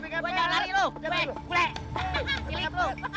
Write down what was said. gua jangan lari lu